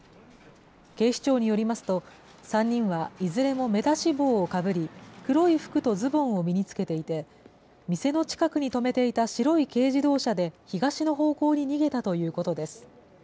警視庁によりますと、３人はいずれも目出し帽をかぶり、黒い服とズボンを身に着けていて、店の近くに止めていた白い軽自動車で、東の方向に逃げたということです。